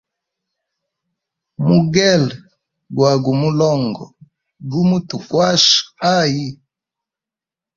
Mugele gwa gu mulongo, gumutukwasha ayi?